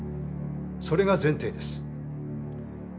それが前提です。